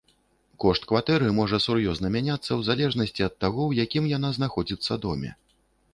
Кошт кватэры можа сур'ёзна мяняцца ў залежнасці ад таго, у якім яна знаходзіцца доме.